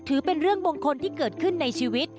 ถือเป็นเรื่องมงคลที่เกิดขึ้นในชีวิต